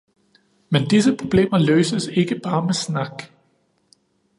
Men disse problemer løses ikke bare med snak.